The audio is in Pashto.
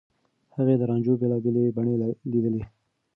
هغې د رانجو بېلابېلې بڼې ليدلي.